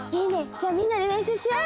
じゃあみんなでれんしゅうしよう！